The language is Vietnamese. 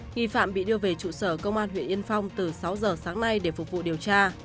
nghi phạm bị đưa về trụ sở công an huyện yên phong từ sáu giờ sáng nay để phục vụ điều tra